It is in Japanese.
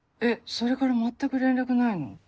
それから全く連絡ないの？